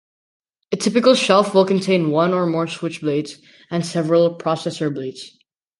A typical shelf will contain one or more switch blades and several processor blades.